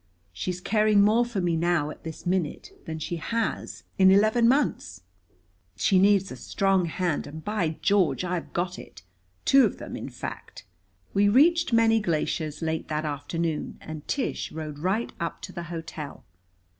She's caring more for me now, at this minute, than she has in eleven months. She needs a strong hand, and, by George! I've got it two of them, in fact." We reached Many Glaciers late that afternoon, and Tish rode right up to the hotel.